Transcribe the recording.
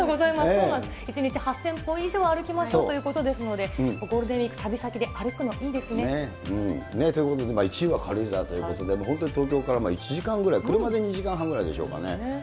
そうなんです、１日８０００歩以上、歩きましょうということです、ゴールデンウということで、１位は軽井沢ということで、本当に東京から１時間ぐらい、車で２時間半ぐらいでしょうかね。